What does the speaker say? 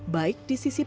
baik di sisi penjualan